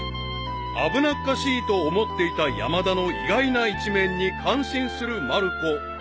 ［危なっかしいと思っていた山田の意外な一面に感心するまる子であったが］